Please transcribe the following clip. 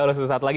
lalu sesuatu lagi